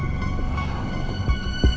tidak ada yang bisa dikira